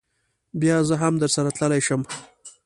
بیا زه هم درسره تللی شم.